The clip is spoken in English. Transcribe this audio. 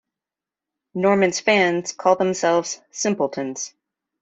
Norman's fans call themselves Simpletons.